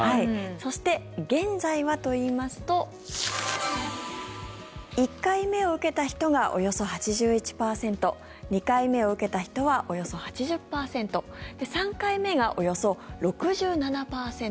そして現在はといいますと１回目を受けた人がおよそ８１％２回目を受けた人はおよそ８０％３回目がおよそ６７％